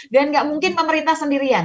dan nggak mungkin pemerintah sendirian